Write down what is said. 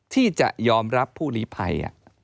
ที่จะยอมรับผู้หลีภัย